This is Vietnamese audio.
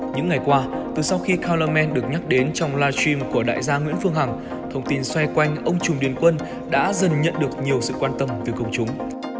những ngày qua từ sau khi color man được nhắc đến trong livestream của đại gia nguyễn phương hằng thông tin xoay quanh ông trùm điền quân đã dần nhận được nhiều sự quan tâm về công chúng